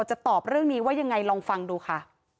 จะตอบเรื่องนี้ว่ายังไงลองฟังดูค่ะ